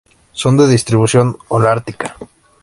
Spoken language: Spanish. Son de distribución holártica.